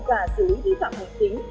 cả xứ thi phạm hành tính